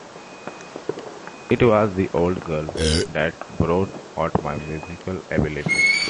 It was the old girl that brought out my musical abilities.